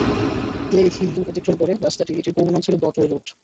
Clay Hill Road অতিক্রম করে রাস্তাটি, এটির পূর্বনাম ছিল ব্রডওয়ে রোড।